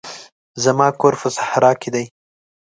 زما کور په صحرا کښي دی.